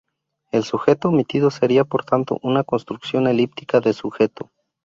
El sujeto omitido sería por tanto una construcción elíptica de sujeto.